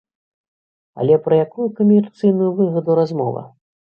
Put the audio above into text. Але пра якую камерцыйную выгаду размова?